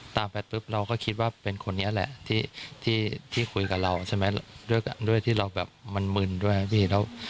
ตามไปปุ๊บเราก็คิดว่าเป็นคนนี้แหละที่คุยกับเราใช่ไหมด้วยที่เราแบบมันมึนด้วยพี่แล้ว